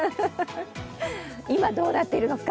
今どうなっているのか。